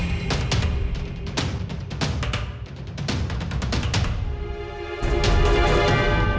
ini dia kesempatannya